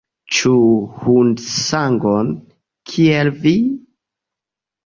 Ĉu hundsangon, kiel vi?